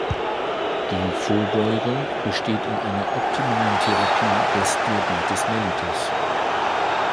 Die Vorbeugung besteht in einer optimalen Therapie des Diabetes mellitus.